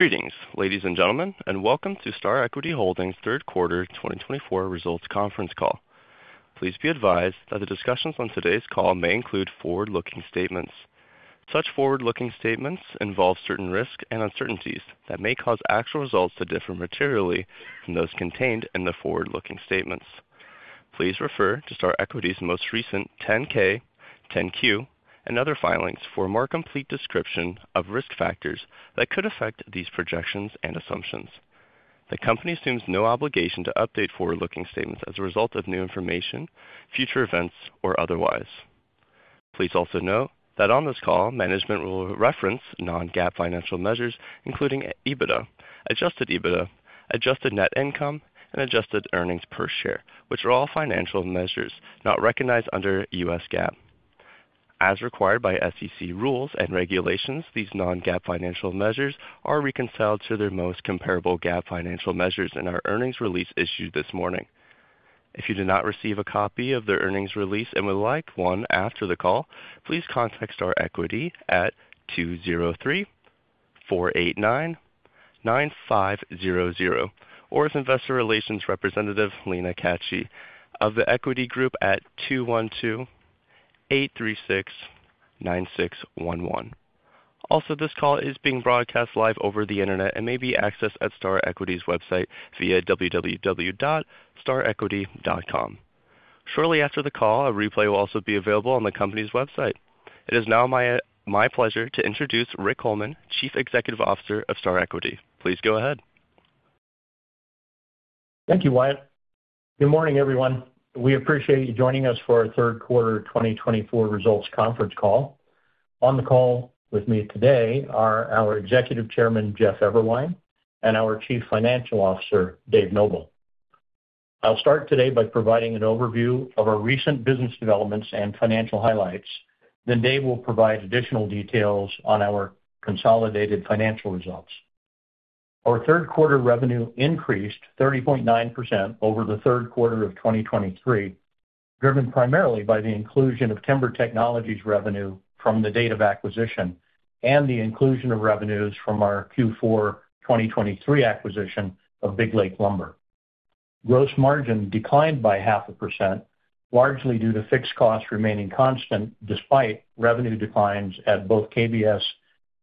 Greetings, ladies and gentlemen, and welcome to Star Equity Holdings' third quarter 2024 results conference call. Please be advised that the discussions on today's call may include forward-looking statements. Such forward-looking statements involve certain risks and uncertainties that may cause actual results to differ materially from those contained in the forward-looking statements. Please refer to Star Equity Holdings' most recent 10-K, 10-Q, and other filings for a more complete description of risk factors that could affect these projections and assumptions. The company assumes no obligation to update forward-looking statements as a result of new information, future events, or otherwise. Please also note that on this call, management will reference non-GAAP financial measures, including EBITDA, adjusted EBITDA, adjusted net income, and adjusted earnings per share, which are all financial measures not recognized under U.S. GAAP. As required by SEC rules and regulations, these non-GAAP financial measures are reconciled to their most comparable GAAP financial measures in our earnings release issued this morning. If you do not receive a copy of their earnings release and would like one after the call, please contact Star Equity at 203-489-9500 or with investor relations representative Lena Cati of The Equity Group at 212-836-9611. Also, this call is being broadcast live over the internet and may be accessed at Star Equity's website via www.starequity.com. Shortly after the call, a replay will also be available on the company's website. It is now my pleasure to introduce Rick Coleman, Chief Executive Officer of Star Equity. Please go ahead. Thank you, Wyatt. Good morning, everyone. We appreciate you joining us for our third quarter 2024 results conference call. On the call with me today are our Executive Chairman, Jeff Eberwein, and our Chief Financial Officer, Dave Noble. I'll start today by providing an overview of our recent business developments and financial highlights. Then Dave will provide additional details on our consolidated financial results. Our third quarter revenue increased 30.9% over the third quarter of 2023, driven primarily by the inclusion of Timber Technologies' revenue from the date of acquisition and the inclusion of revenues from our Q4 2023 acquisition of Big Lake Lumber. Gross margin declined by 0.5%, largely due to fixed costs remaining constant despite revenue declines at both KBS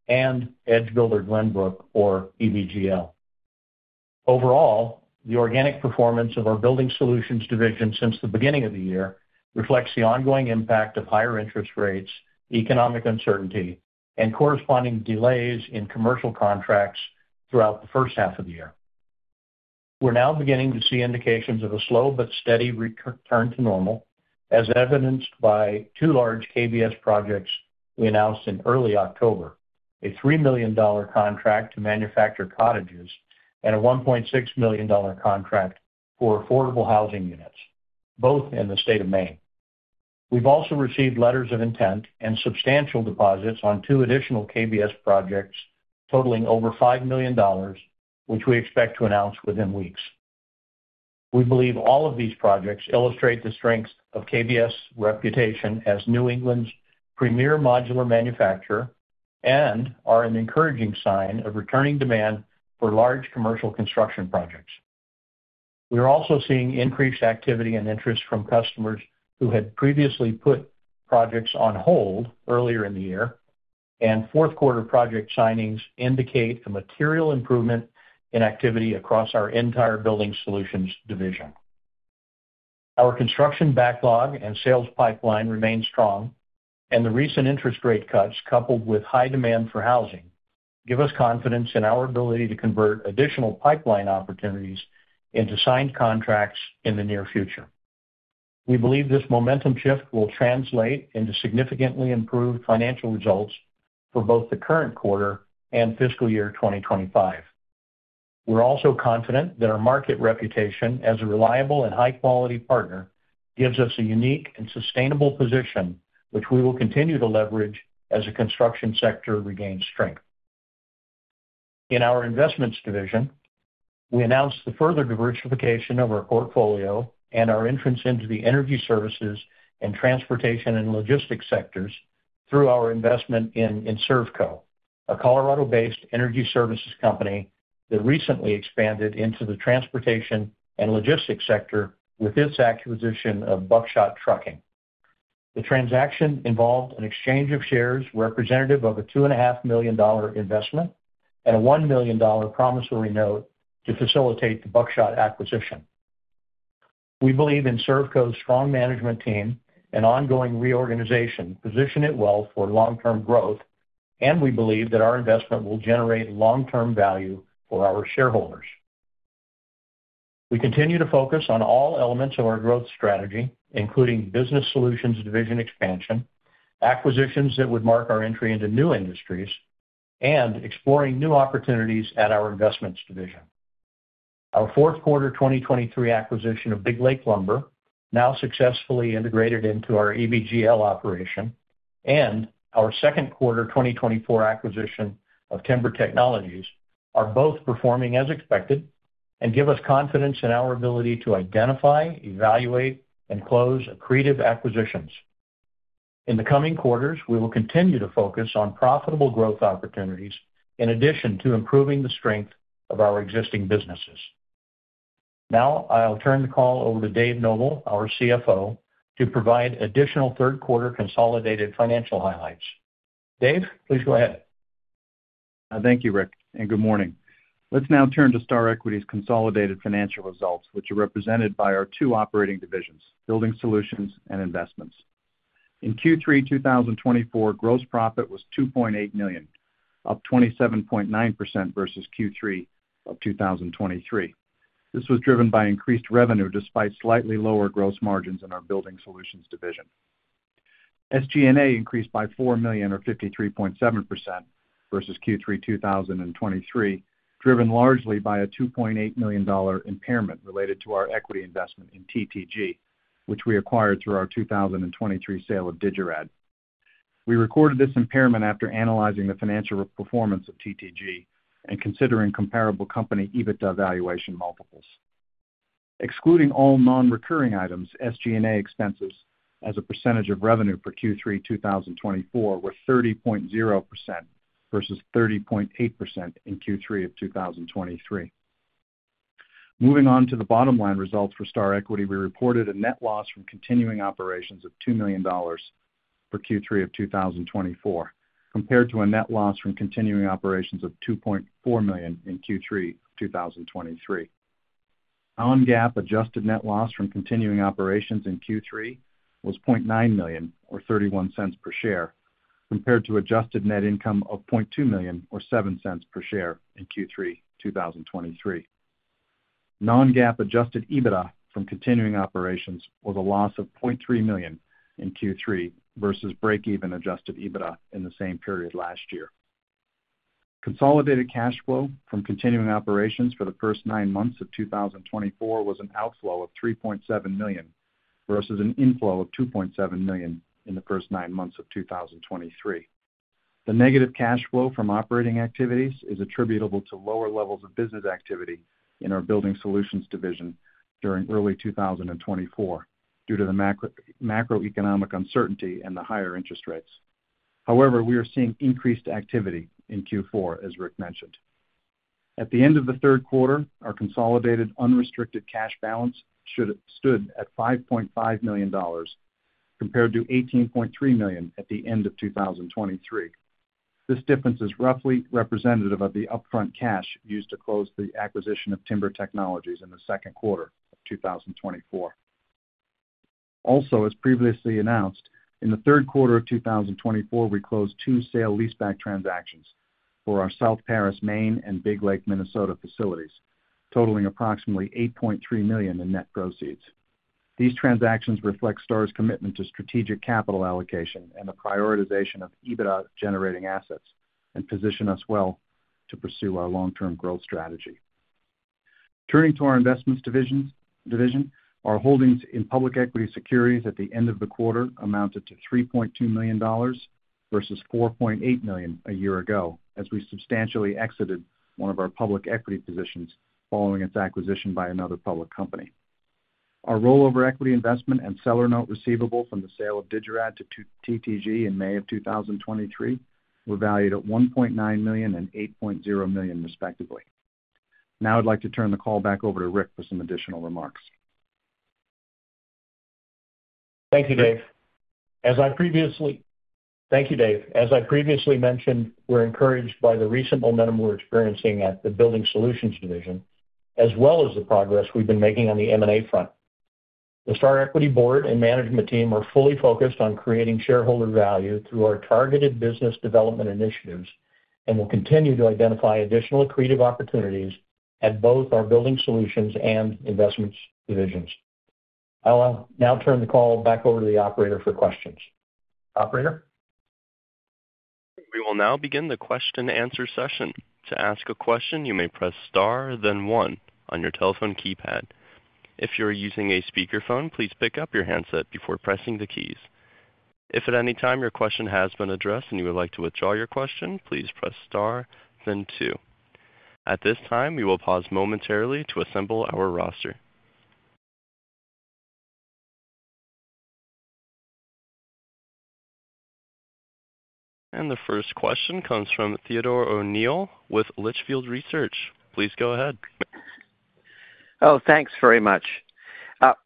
and EdgeBuilder Glenbrook, or EBGL. Overall, the organic performance of our Building Solutions division since the beginning of the year reflects the ongoing impact of higher interest rates, economic uncertainty, and corresponding delays in commercial contracts throughout the first half of the year. We're now beginning to see indications of a slow but steady return to normal, as evidenced by two large KBS projects we announced in early October: a $3 million contract to manufacture cottages and a $1.6 million contract for affordable housing units, both in the state of Maine. We've also received letters of intent and substantial deposits on two additional KBS projects totaling over $5 million, which we expect to announce within weeks. We believe all of these projects illustrate the strength of KBS's reputation as New England's premier modular manufacturer and are an encouraging sign of returning demand for large commercial construction projects. We are also seeing increased activity and interest from customers who had previously put projects on hold earlier in the year, and fourth quarter project signings indicate a material improvement in activity across our entire building solutions division. Our construction backlog and sales pipeline remain strong, and the recent interest rate cuts coupled with high demand for housing give us confidence in our ability to convert additional pipeline opportunities into signed contracts in the near future. We believe this momentum shift will translate into significantly improved financial results for both the current quarter and fiscal year 2025. We're also confident that our market reputation as a reliable and high-quality partner gives us a unique and sustainable position, which we will continue to leverage as the construction sector regains strength. In our Investments division, we announced the further diversification of our portfolio and our entrance into the energy services and transportation and logistics sectors through our investment in Inservco, a Colorado-based energy services company that recently expanded into the transportation and logistics sector with its acquisition of Buckshot Trucking. The transaction involved an exchange of shares representative of a $2.5 million investment and a $1 million promissory note to facilitate the Buckshot acquisition. We believe Inservco's strong management team and ongoing reorganization position it well for long-term growth, and we believe that our investment will generate long-term value for our shareholders. We continue to focus on all elements of our growth strategy, including Business Solutions division expansion, acquisitions that would mark our entry into new industries, and exploring new opportunities at our Investments division. Our fourth quarter 2023 acquisition of Big Lake Lumber, now successfully integrated into our EBGL operation, and our second quarter 2024 acquisition of Timber Technologies are both performing as expected and give us confidence in our ability to identify, evaluate, and close accretive acquisitions. In the coming quarters, we will continue to focus on profitable growth opportunities in addition to improving the strength of our existing businesses. Now, I'll turn the call over to Dave Noble, our CFO, to provide additional third quarter consolidated financial highlights. Dave, please go ahead. Thank you, Rick, and good morning. Let's now turn to Star Equity's consolidated financial results, which are represented by our two operating divisions: building solutions and investments. In Q3 2024, gross profit was $2.8 million, up 27.9% versus Q3 of 2023. This was driven by increased revenue despite slightly lower gross margins in our building solutions division. SG&A increased by $4 million, or 53.7%, versus Q3 2023, driven largely by a $2.8 million impairment related to our equity investment in TTG, which we acquired through our 2023 sale of Digirad. We recorded this impairment after analyzing the financial performance of TTG and considering comparable company EBITDA valuation multiples. Excluding all non-recurring items, SG&A expenses as a percentage of revenue for Q3 2024 were 30.0% versus 30.8% in Q3 of 2023. Moving on to the bottom line results for Star Equity, we reported a net loss from continuing operations of $2 million for Q3 of 2024, compared to a net loss from continuing operations of $2.4 million in Q3 of 2023. Non-GAAP adjusted net loss from continuing operations in Q3 was $0.9 million, or $0.31 per share, compared to adjusted net income of $0.2 million, or $0.07 per share in Q3 2023. Non-GAAP adjusted EBITDA from continuing operations was a loss of $0.3 million in Q3 versus break-even adjusted EBITDA in the same period last year. Consolidated cash flow from continuing operations for the first nine months of 2024 was an outflow of $3.7 million versus an inflow of $2.7 million in the first nine months of 2023. The negative cash flow from operating activities is attributable to lower levels of business activity in our building solutions division during early 2024 due to the macroeconomic uncertainty and the higher interest rates. However, we are seeing increased activity in Q4, as Rick mentioned. At the end of the third quarter, our consolidated unrestricted cash balance stood at $5.5 million compared to $18.3 million at the end of 2023. This difference is roughly representative of the upfront cash used to close the acquisition of Timber Technologies in the second quarter of 2024. Also, as previously announced, in the third quarter of 2024, we closed two sale-leaseback transactions for our South Paris, Maine and Big Lake, Minnesota facilities, totaling approximately $8.3 million in net proceeds. These transactions reflect Star's commitment to strategic capital allocation and the prioritization of EBITDA-generating assets and position us well to pursue our long-term growth strategy. Turning to our investments division, our holdings in public equity securities at the end of the quarter amounted to $3.2 million versus $4.8 million a year ago, as we substantially exited one of our public equity positions following its acquisition by another public company. Our rollover equity investment and seller note receivable from the sale of Digirad to TTG in May of 2023 were valued at $1.9 million and $8.0 million, respectively. Now, I'd like to turn the call back over to Rick for some additional remarks. Thank you, Dave. As I previously mentioned, we're encouraged by the recent momentum we're experiencing at the building solutions division, as well as the progress we've been making on the M&A front. The Star Equity Board and management team are fully focused on creating shareholder value through our targeted business development initiatives and will continue to identify additional accretive opportunities at both our building solutions and investments divisions. I'll now turn the call back over to the operator for questions. Operator. We will now begin the question-and-answer session. To ask a question, you may press star, then one on your telephone keypad. If you're using a speakerphone, please pick up your handset before pressing the keys. If at any time your question has been addressed and you would like to withdraw your question, please press star, then two. At this time, we will pause momentarily to assemble our roster, and the first question comes from Theodore O'Neill with Litchfield Hills Research. Please go ahead. Oh, thanks very much.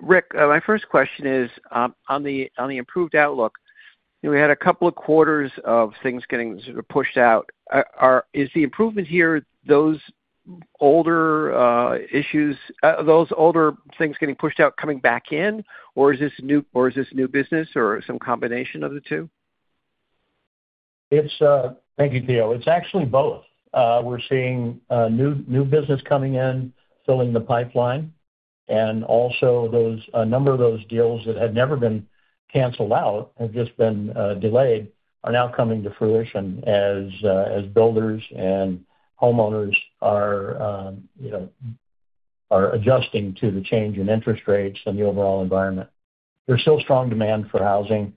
Rick, my first question is, on the improved outlook, we had a couple of quarters of things getting pushed out. Is the improvement here those older issues, those older things getting pushed out coming back in, or is this new business or some combination of the two? Thank you, Theo. It's actually both. We're seeing new business coming in, filling the pipeline, and also a number of those deals that had never been canceled out have just been delayed are now coming to fruition as builders and homeowners are adjusting to the change in interest rates and the overall environment. There's still strong demand for housing,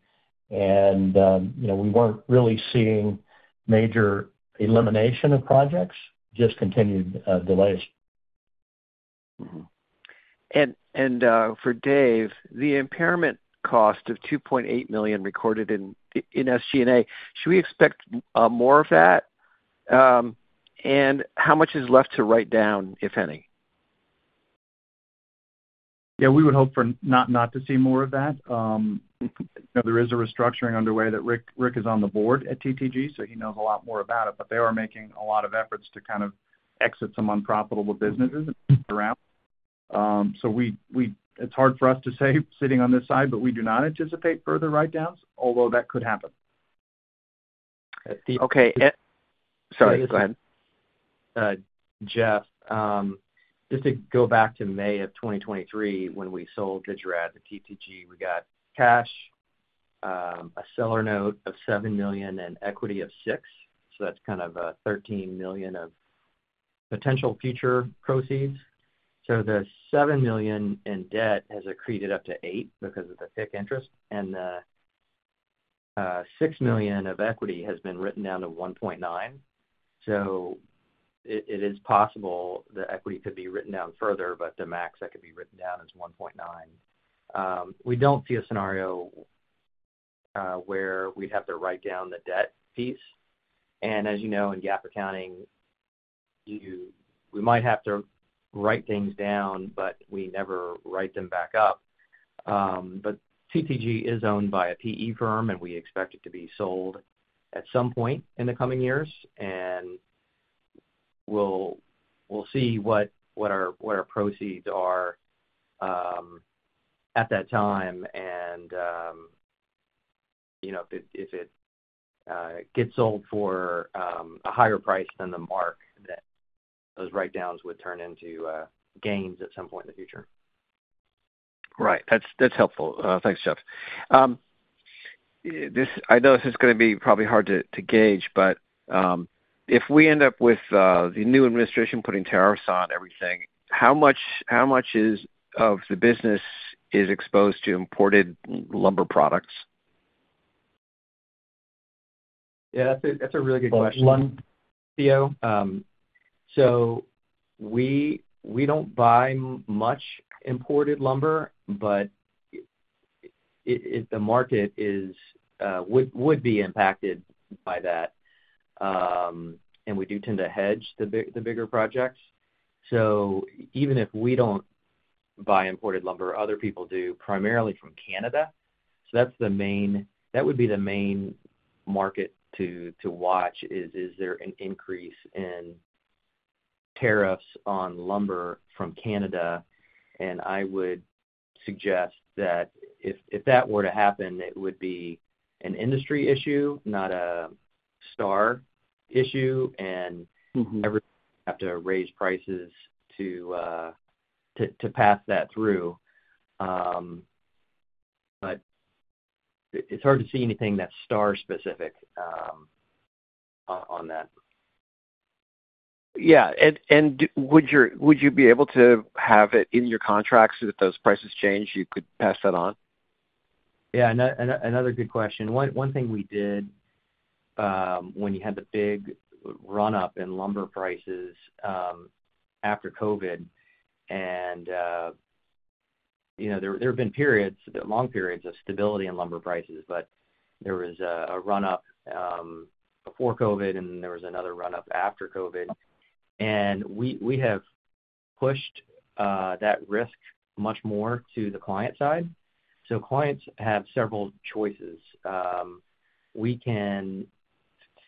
and we weren't really seeing major elimination of projects, just continued delays. For Dave, the impairment cost of $2.8 million recorded in SG&A, should we expect more of that? And how much is left to write down, if any? Yeah, we would hope for not to see more of that. There is a restructuring underway that Rick is on the board at TTG, so he knows a lot more about it, but they are making a lot of efforts to kind of exit some unprofitable businesses around. So it's hard for us to say sitting on this side, but we do not anticipate further write-downs, although that could happen. Okay. Sorry, go ahead. Jeff, just to go back to May of 2023, when we sold Digirad to TTG, we got cash, a seller note of $7 million, and equity of $6 million, so that's kind of $13 million of potential future proceeds, so the $7 million in debt has accreted up to $8 million because of the fixed interest, and the $6 million of equity has been written down to $1.9 million, so it is possible the equity could be written down further, but the max that could be written down is $1.9 million. We don't see a scenario where we'd have to write down the debt piece, and as you know, in GAAP accounting, we might have to write things down, but we never write them back up, but TTG is owned by a PE firm, and we expect it to be sold at some point in the coming years. And we'll see what our proceeds are at that time. And if it gets sold for a higher price than the mark, those write-downs would turn into gains at some point in the future. Right. That's helpful. Thanks, Jeff. I know this is going to be probably hard to gauge, but if we end up with the new administration putting tariffs on everything, how much of the business is exposed to imported lumber products? Yeah, that's a really good question. Theo, so we don't buy much imported lumber, but the market would be impacted by that. And we do tend to hedge the bigger projects. So even if we don't buy imported lumber, other people do, primarily from Canada. So that would be the main market to watch: is there an increase in tariffs on lumber from Canada? And I would suggest that if that were to happen, it would be an industry issue, not a Star issue, and everyone would have to raise prices to pass that through. But it's hard to see anything that's Star-specific on that. Yeah. And would you be able to have it in your contracts that if those prices change, you could pass that on? Yeah. Another good question. One thing we did when you had the big run-up in lumber prices after COVID, and there have been long periods of stability in lumber prices, but there was a run-up before COVID, and then there was another run-up after COVID. And we have pushed that risk much more to the client side. So clients have several choices. We can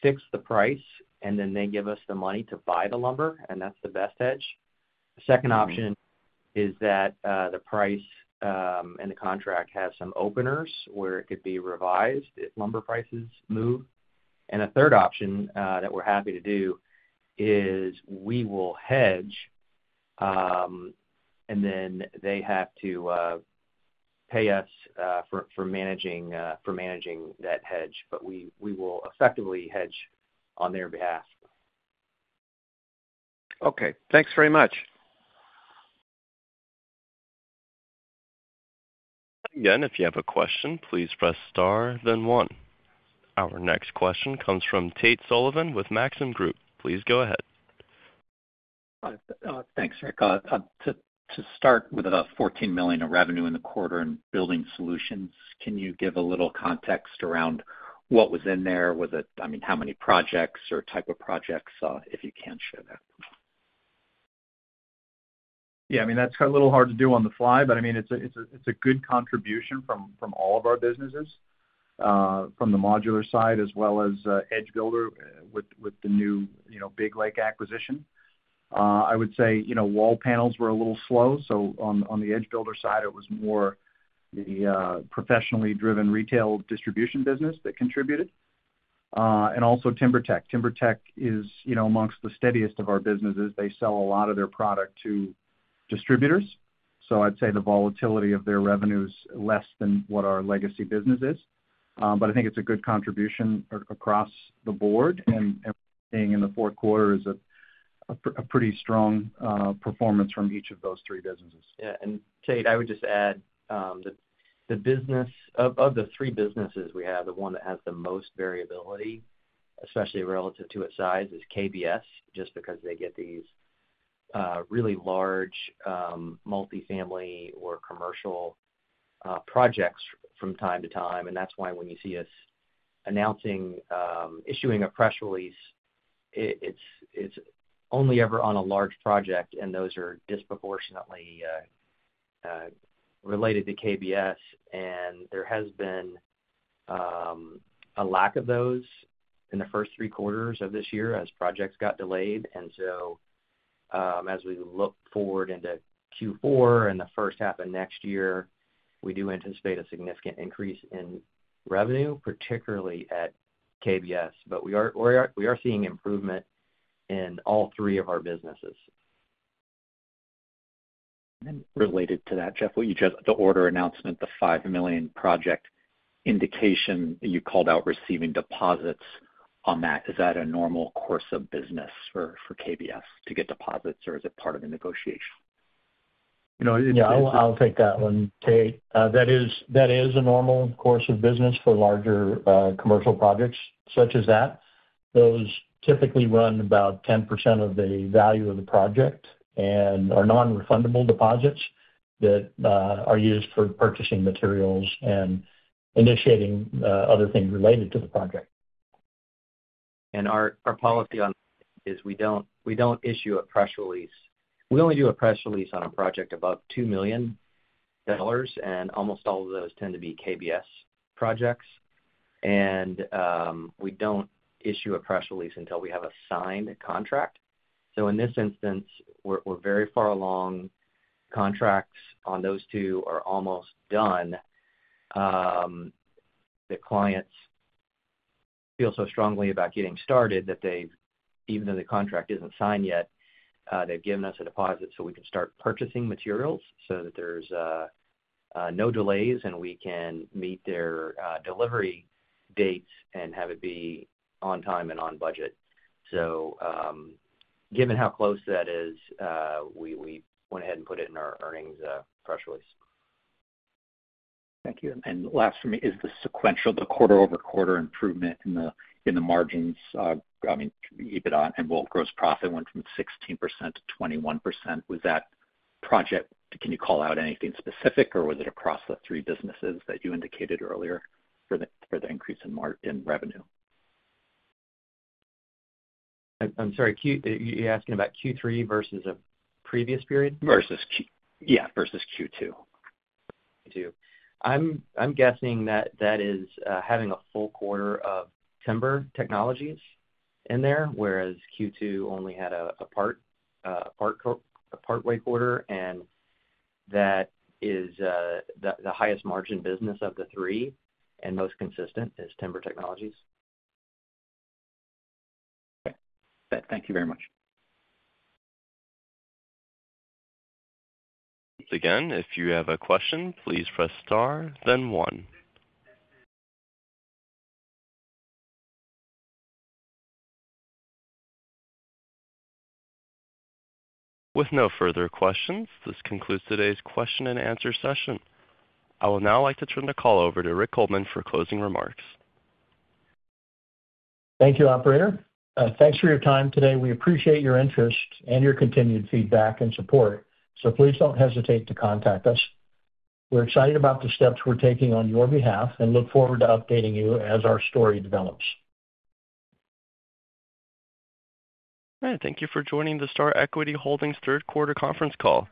fix the price, and then they give us the money to buy the lumber, and that's the best hedge. The second option is that the price and the contract have some openers where it could be revised if lumber prices move. And a third option that we're happy to do is we will hedge, and then they have to pay us for managing that hedge, but we will effectively hedge on their behalf. Okay. Thanks very much. Again, if you have a question, please press star, then one. Our next question comes from Tate Sullivan with Maxim Group. Please go ahead. Thanks, Rick. To start with the $14 million of revenue in the quarter in building solutions, can you give a little context around what was in there? I mean, how many projects or type of projects? If you can share that. Yeah. I mean, that's a little hard to do on the fly, but I mean, it's a good contribution from all of our businesses, from the modular side as well as EdgeBuilder with the new Big Lake acquisition. I would say wall panels were a little slow. So on the EdgeBuilder side, it was more the professionally driven retail distribution business that contributed. And also Timber Technologies. Timber Technologies is amongst the steadiest of our businesses. They sell a lot of their product to distributors. So I'd say the volatility of their revenue is less than what our legacy business is. But I think it's a good contribution across the board. And being in the fourth quarter is a pretty strong performance from each of those three businesses. Yeah. And Tate, I would just add the business of the three businesses we have, the one that has the most variability, especially relative to its size, is KBS, just because they get these really large multifamily or commercial projects from time to time. And that's why when you see us issuing a press release, it's only ever on a large project, and those are disproportionately related to KBS. And there has been a lack of those in the first three quarters of this year as projects got delayed. And so as we look forward into Q4 and the first half of next year, we do anticipate a significant increase in revenue, particularly at KBS. But we are seeing improvement in all three of our businesses. Related to that, Jeff, the order announcement, the $5 million project indication, you called out receiving deposits on that. Is that a normal course of business for KBS to get deposits, or is it part of the negotiation? Yeah, I'll take that one, Tate. That is a normal course of business for larger commercial projects such as that. Those typically run about 10% of the value of the project and are non-refundable deposits that are used for purchasing materials and initiating other things related to the project. Our policy on that is we don't issue a press release. We only do a press release on a project above $2 million, and almost all of those tend to be KBS projects. We don't issue a press release until we have a signed contract. In this instance, we're very far along. Contracts on those two are almost done. The clients feel so strongly about getting started that they've, even though the contract isn't signed yet, they've given us a deposit so we can start purchasing materials so that there's no delays and we can meet their delivery dates and have it be on time and on budget. Given how close that is, we went ahead and put it in our earnings press release. Thank you. And last for me is the sequential quarter-over-quarter improvement in the margins. I mean, Building Solutions gross profit went from 16% to 21%. Was that project, can you call out anything specific, or was it across the three businesses that you indicated earlier for the increase in revenue? I'm sorry. You're asking about Q3 versus a previous period? Yeah, versus Q2. Q2. I'm guessing that that is having a full quarter of Timber Technologies in there, whereas Q2 only had a partway quarter. And that is the highest margin business of the three and most consistent is Timber Technologies. Okay. Thank you very much. Once again, if you have a question, please press star, then one. With no further questions, this concludes today's question and answer session. I would now like to turn the call over to Rick Coleman for closing remarks. Thank you, operator. Thanks for your time today. We appreciate your interest and your continued feedback and support. So please don't hesitate to contact us. We're excited about the steps we're taking on your behalf and look forward to updating you as our story develops. All right. Thank you for joining the Star Equity Holdings third quarter conference call.